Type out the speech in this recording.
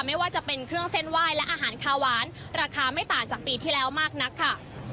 ไม่ว่าจะเป็นเครื่องเส้นไหว้และอาหารคาหวานราคาไม่ต่างจากปีที่แล้วมากนักค่ะ